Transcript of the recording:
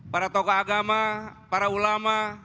para tokoh agama para ulama